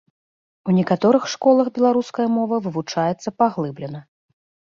У некаторых школах беларуская мова вывучаецца паглыблена.